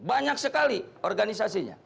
banyak sekali organisasinya